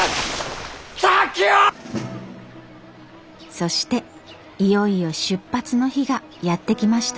そしていよいよ出発の日がやって来ました。